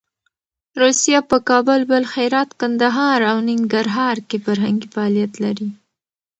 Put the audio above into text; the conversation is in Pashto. روسیه په کابل، بلخ، هرات، کندهار او ننګرهار کې فرهنګي فعالیت لري.